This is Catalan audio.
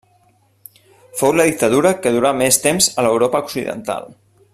Fou la dictadura que durà més temps a l'Europa Occidental.